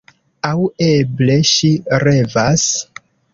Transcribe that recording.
Aŭ eble ŝi revas.